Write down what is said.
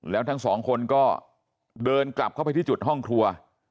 แล้วทั้งสองคนก็เดินกลับเข้าไปที่จุดห้องครัว